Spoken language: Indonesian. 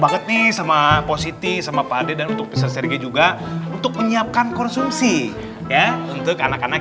banget nih sama positif sama pak ade dan untuk peserga juga untuk menyiapkan konsumsi ya untuk anak anak